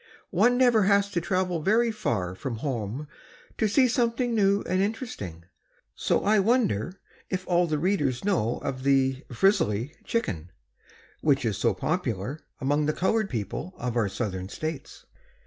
One never has to travel very far from home to see something new and interesting; so I wonder if all of the readers know of the "frizzly chicken" which is so popular among the colored people of our southern states.